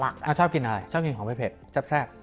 ชอบกินอะไรชอบกินของเผ็ดแซ่บ